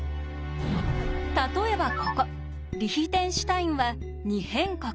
例えばここリヒテンシュタインは「二辺国」。